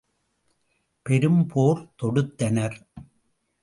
பெரும் போர் தொடுத்தனர்.